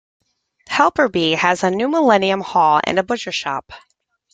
Helperby has a new Millennium hall and a butcher's shop.